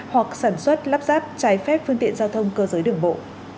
hoặc sản xuất lắp ráp trái phép phương tiện giao thông cơ giới đường bộ